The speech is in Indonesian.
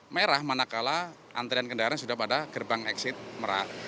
merah manakala antrian kendaraan sudah pada gerbang exit merak